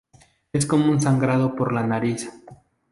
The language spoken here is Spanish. Es como un sangrado por la nariz.